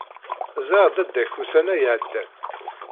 Ẓriɣ dadda-k ussan-a iɛeddan.